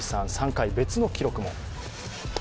３回、別の記録も。